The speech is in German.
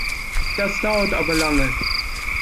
Das dauert aber lange!